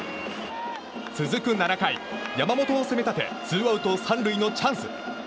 続く７回、山本を攻め立てツーアウト三塁のチャンス。